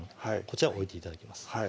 こちらを置いて頂きます